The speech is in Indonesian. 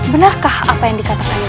benarkah apa yang dikatakannya